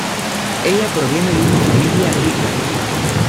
Ella proviene de una familia rica.